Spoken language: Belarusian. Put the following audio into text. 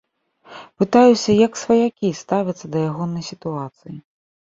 Пытаюся, як сваякі ставяцца да ягонай сітуацыі.